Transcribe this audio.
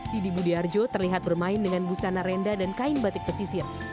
didi budiarjo terlihat bermain dengan busana renda dan kain batik pesisir